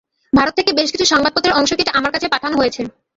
ভারত থেকে বেশ কিছু সংবাদপত্রের অংশ কেটে আমার কাছে পাঠান হয়েছে।